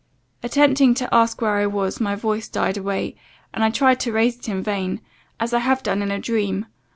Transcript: Attempting to ask where I was, my voice died away, and I tried to raise it in vain, as I have done in a dream.